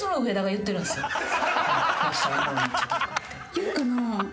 言うかな？